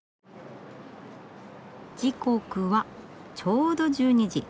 時刻はちょうど１２時。